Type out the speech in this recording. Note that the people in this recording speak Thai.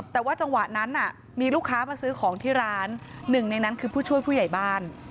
แต่ว่าจังหวะนั้นมีลูกค้ามาซื้อของที่ร้านหนึ่งในนั้นคือผู้ช่วยผู้ใหญ่บ้าน